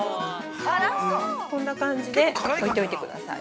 ◆こんな感じで置いといてください。